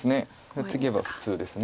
これツゲば普通です。